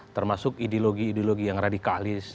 termasuk ideologi ideologi yang radikalis